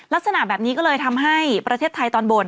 ลักษณะแบบนี้ก็เลยทำให้ประเทศไทยตอนบน